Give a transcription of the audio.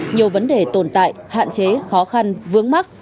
nhiều vấn đề tồn tại hạn chế khó khăn vướng mắt